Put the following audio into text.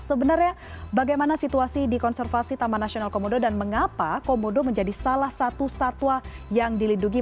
sebenarnya bagaimana situasi di konservasi taman nasional komodo dan mengapa komodo menjadi salah satu satwa yang dilindungi